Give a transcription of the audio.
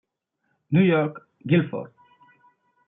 New York: Guilford.